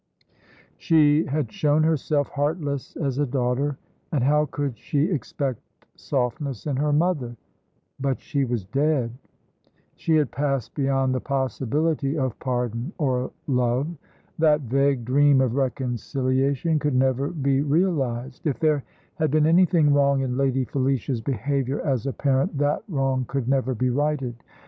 She had shown herself heartless as a daughter, and how could she expect softness in her mother? But she was dead. She had passed beyond the possibility of pardon or love. That vague dream of reconciliation could never be realised. If there had been anything wrong in Lady Felicia's behaviour as a parent, that wrong could never be righted.